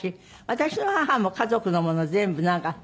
私の母も家族のもの全部なんか。